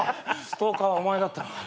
ストーカーはお前だったのか。